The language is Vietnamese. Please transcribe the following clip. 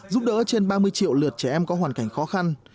giúp đỡ trên ba mươi triệu lượt trẻ em có hoàn cảnh khó khăn